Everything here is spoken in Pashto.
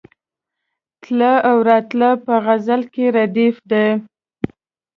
تله او راتله په غزل کې ردیف دی.